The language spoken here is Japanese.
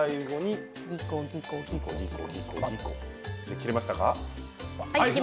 切れましたか？